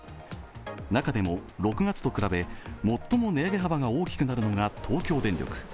中でも６月と比べ最も値上げ幅が大きくなるのが東京電力。